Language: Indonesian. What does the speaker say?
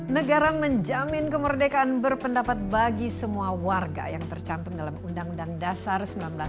negara menjamin kemerdekaan berpendapat bagi semua warga yang tercantum dalam undang undang dasar seribu sembilan ratus empat puluh lima